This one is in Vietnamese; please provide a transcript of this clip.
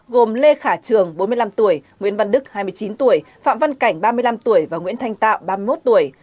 gồm lê khả trường bốn mươi năm tuổi nguyễn văn đức hai mươi chín tuổi phạm văn cảnh ba mươi năm tuổi và nguyễn thanh tạo ba mươi một tuổi